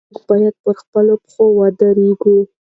موږ باید پر خپلو پښو ودرېږو.